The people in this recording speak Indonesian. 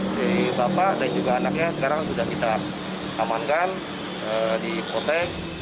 dari bapak dan juga anaknya sekarang sudah kita amankan dipose